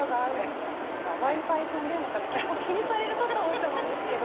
結構気にされる方多いと思うんですけど。